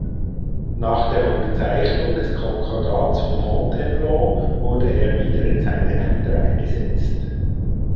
Nach der Unterzeichnung des Konkordats von Fontainebleau wurde er wieder in seine Ämter eingesetzt.